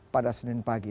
pada senin pagi